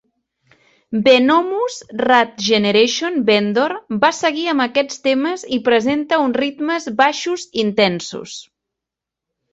"Venomous Rat Regeneration Vendor" va seguir amb aquests temes, i presenta uns ritmes "baixos intensos".